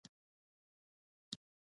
ایا ماشومتوب کې ناروغه وئ؟